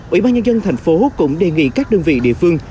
ủy ban nhân dân thành phố cũng đề nghị các đơn vị địa phương